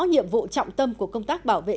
nhiệm vụ trọng tâm của công tác bảo vệ